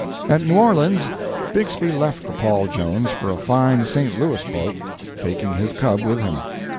At New Orleans Bixby left the "Paul Jones" for a fine St. Louis boat, taking his cub with him.